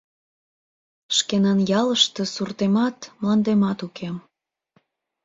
Шкенан ялыште суртемат, мландемат уке.